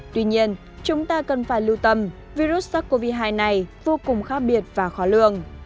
tuy nhiên chúng ta cần phải lưu tâm virus sars cov hai này vô cùng khác biệt và khó lường